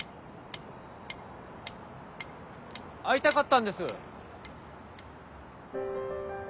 会いたかったんです。